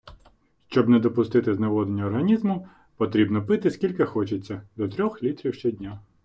Щоб не допустити зневоднення організму, потрібно пити скільки хочеться – до трьох літрів щодня